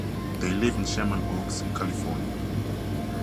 They live in Sherman Oaks, California.